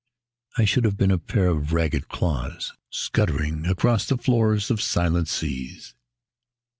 ... I should have been a pair of ragged claws Scuttling across the floors of silent seas.